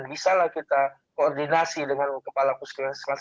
bisalah kita koordinasi dengan kepala puskesmas